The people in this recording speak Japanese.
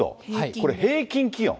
これ、平均気温。